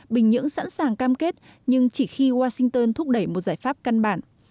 bình nhưỡng sẵn sàng cam kết nhưng chỉ khi washington thúc đẩy một giải pháp căn bản